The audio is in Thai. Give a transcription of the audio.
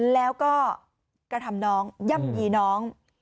แล้วก็กระทำน้องย่ำยีน้อง